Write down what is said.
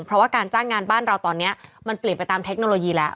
เพราะว่าการจ้างงานบ้านเราตอนนี้มันเปลี่ยนไปตามเทคโนโลยีแล้ว